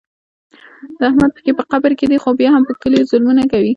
د احمد پښې په قبر کې دي خو بیا هم په کلیوالو ظلمونه کوي.